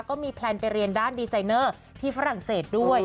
แพลนไปเรียนด้านดีไซเนอร์ที่ฝรั่งเศสด้วย